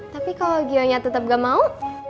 tapi kalo gionya tetep gak mau